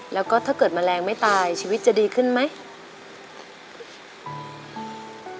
แล้วก็ถ้าเกิดแมลงไม่ตายชีวิตจะดีขึ้นไหม